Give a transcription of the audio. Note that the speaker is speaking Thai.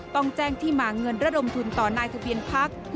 ต้องแจ้งที่มาเงินระดมทุนต่อนายทะเบียนพัก